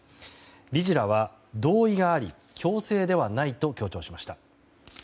理事らは、同意があり強制ではないと強調しました。